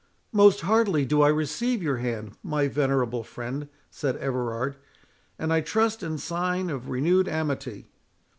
"Most heartily do I receive your hand, my venerable friend," said Everard, "and I trust in sign of renewed amity."